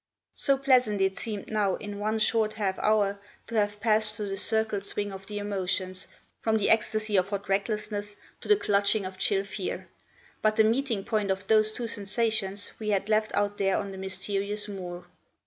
So pleasant it seemed now, in one short half hour, to have passed through the circle swing of the emotions, from the ecstasy of hot recklessness to the clutching of chill fear. But the meeting point of those two sensations we had left out there on the mysterious moor!